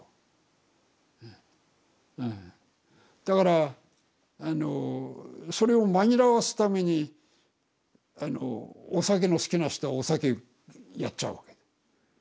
だからあのそれを紛らわすためにお酒の好きな人はお酒やっちゃうわけ。